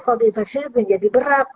kalau infeksi itu menjadi berat